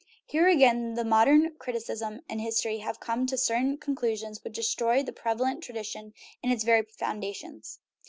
Here again modern criticism and history have come to certain con clusions which destroy the prevalent tradition in its very foundations.